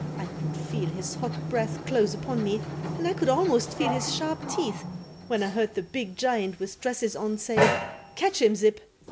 I could feel his hot breath close upon me and I could almost feel his sharp teeth when I heard the big giant with dresses on say: "Catch him, Zip."